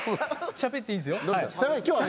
しゃべっていいんですよ。